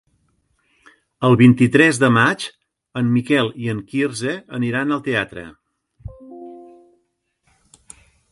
El vint-i-tres de maig en Miquel i en Quirze aniran al teatre.